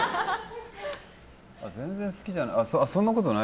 全然、好きじゃない。